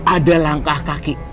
ada langkah kaki